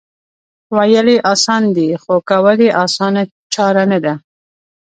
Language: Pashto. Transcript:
وېل یې اسان دي خو کول یې اسانه چاره نه ده